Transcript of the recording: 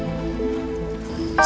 menggunakan ajihan ini